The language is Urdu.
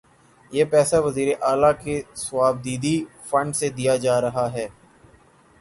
یہ پیسہ وزیر اعلی کے صوابدیدی فنڈ سے دیا جا رہا ہے۔